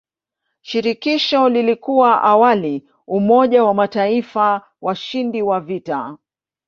Shirikisho lilikuwa awali umoja wa mataifa washindi wa vita.